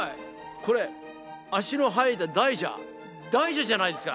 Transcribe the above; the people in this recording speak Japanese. これ足の生えた大蛇大蛇じゃないですか！